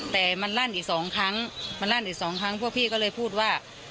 แต่มันลั่นอีกสองครั้งมันลั่นอีกสองครั้งพวกพี่ก็เลยพูดว่า